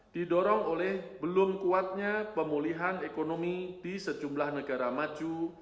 didorong oleh belum kuatnya pemulihan ekonomi di sejumlah negara maju